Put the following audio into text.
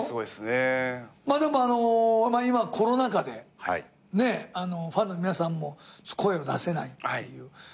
でも今コロナ禍でファンの皆さんも声を出せないっていう。